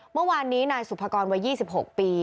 เมื่อวานนี้นายสุภกรวัย๒๖ปี